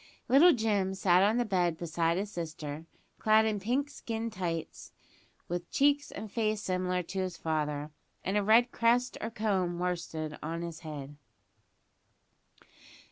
Little Jim sat on the bed beside his sister, clad in pink skin tights, with cheeks and face similar to his father, and a red crest or comb of worsted on his head.